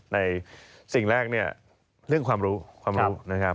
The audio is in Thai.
สิ่งแรกเนี่ยเรื่องความรู้ความรู้นะครับ